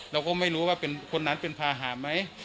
เราก็ไม่รู้ว่าเป็นคนนั้นเป็นพาหาไหม